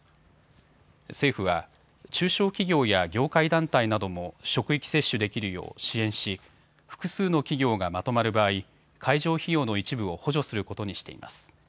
政府は中小企業や業界団体なども職域接種できるよう支援し複数の企業がまとまる場合、会場費用の一部を補助することにしています。